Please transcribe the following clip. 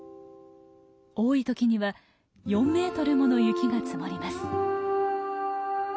多い時には４メートルもの雪が積もります。